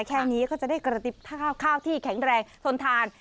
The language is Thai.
แค่นี้ก็จะได้กระติบข้าวที่แข็งแรงทนทาน